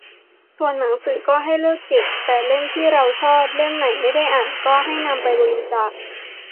ส่วนหนังสือก็ให้เลือกเก็บแต่เล่มที่เราชอบ เล่มไหนไม่ได้อ่านก็ให้นำไปบริจาค